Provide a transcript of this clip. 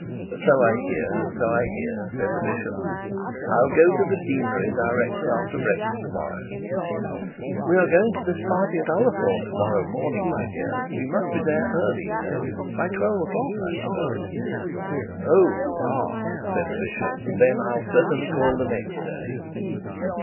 'So I hear, so I hear,' said the bishop. 'I'll go to the deanery directly after breakfast to morrow.' 'We are going to this party at Ullathorne to morrow morning, my dear; we must be there early, you know, by twelve o'clock I suppose.' 'Oh, ah!' said the bishop; 'then I'll certainly call the next day.